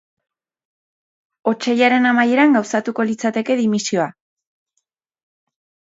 Otsailaren amaieran gauzatuko litzateke dimisioa.